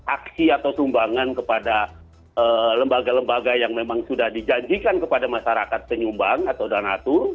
aksi atau sumbangan kepada lembaga lembaga yang memang sudah dijanjikan kepada masyarakat penyumbang atau donatur